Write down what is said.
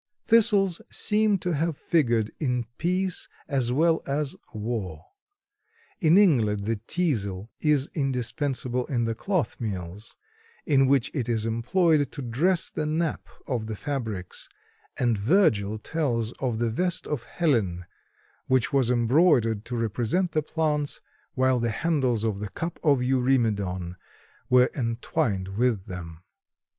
Thistles seem to have figured in peace as well as war. In England the teasel is indispensable in the cloth mills, in which it is employed to dress the nap of the fabrics, and Virgil tells of the vest of Helen, which was embroidered to represent the plants, while the handles of the Cup of Eurymedon were entwined with them.